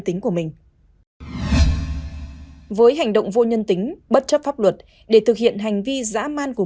tính của mình với hành động vô nhân tính bất chấp pháp luật để thực hiện hành vi giã man của